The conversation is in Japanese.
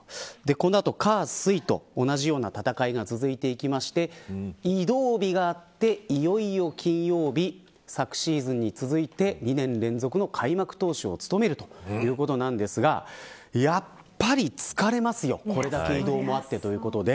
この後火、水と同じような戦いが続いていって移動日があって、いよいよ金曜日昨シーズンに続いて２年連続の開幕投手を務めるということなんですがやっぱり疲れますよ、これだけ移動もあってということで。